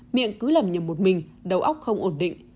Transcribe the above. miệng cứ lầm nhầm một mình đầu óc không ổn định